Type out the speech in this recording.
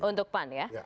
untuk pan ya